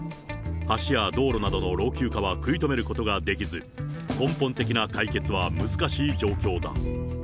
橋や道路などの老朽化は食い止めることができず、根本的な解決は難しい状況だ。